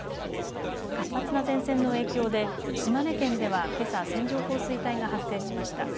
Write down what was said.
活発な前線の影響で島根県ではけさ線状降水帯が発生しました。